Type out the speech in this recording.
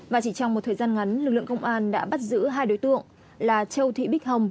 và chỉ trong một thời gian ngắn lực lượng công an đã bắt giữ hai đối tượng là châu thị bích hồng